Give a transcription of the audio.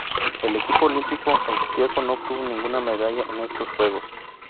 El equipo olímpico austríaco no obtuvo ninguna medalla en estos Juegos.